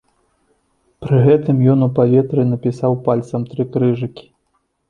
Пры гэтым ён у паветры напісаў пальцам тры крыжыкі.